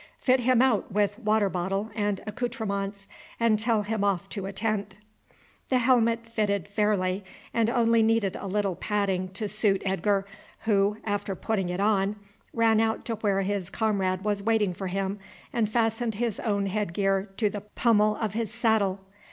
Fit him out with water bottle and accoutrements, and tell him off to a tent." The helmet fitted fairly, and only needed a little padding to suit Edgar, who, after putting it on, ran out to where his comrade was waiting for him and fastened his own head gear to the pummel of his saddle.